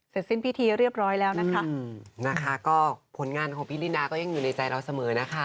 สิ้นพิธีเรียบร้อยแล้วนะคะก็ผลงานของพี่ลินาก็ยังอยู่ในใจเราเสมอนะคะ